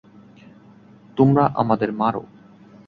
তোমরা আমাদের মার।